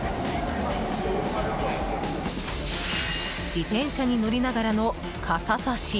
自転車に乗りながらの傘さし。